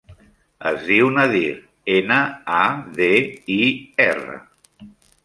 Es diu Nadir: ena, a, de, i, erra.